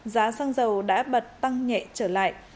giá xăng dầu đã bật tăng nhẹ trở lại